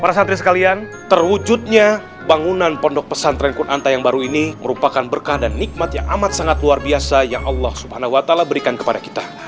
para santri sekalian terwujudnya bangunan pondok pesantren kunanta yang baru ini merupakan berkah dan nikmat yang amat sangat luar biasa yang allah swt berikan kepada kita